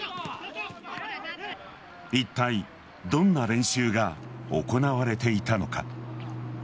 いったいどんな練習が行われていたのか。